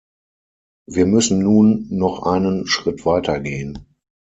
Wir müssen nun noch einen Schritt weiter gehen.